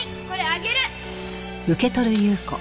これあげる！